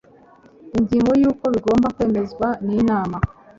ingingo y uko bigomba kwemezwa n Inama